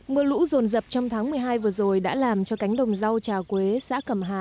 mưa lũ rồn rập trong tháng một mươi hai vừa rồi đã làm cho cánh đồng rau trà quế xã cẩm hà